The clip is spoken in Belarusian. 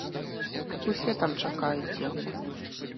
Усе там, чакаюць яго.